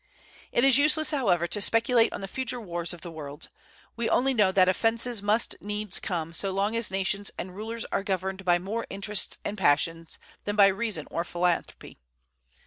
It is useless, however, to speculate on the future wars of the world. We only know that offences must needs come so long as nations and rulers are governed more by interests and passions than by reason or philanthropy.